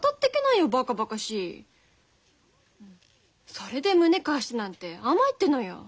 それで胸貸してなんて甘いってのよ。